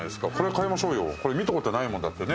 これ見たことないもんだってね。